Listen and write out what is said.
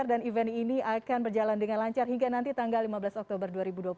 dan event ini akan berjalan dengan lancar hingga nanti tanggal lima belas oktober dua ribu dua puluh satu